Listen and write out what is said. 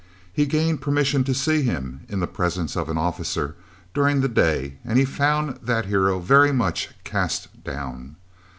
He gained permission to see him, in the presence of an officer, during the day, and he found that hero very much cast down.